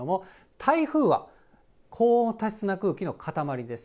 台風は高温多湿な空気の塊です。